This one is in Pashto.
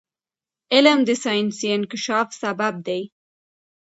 علم د ساینسي انکشاف سبب دی.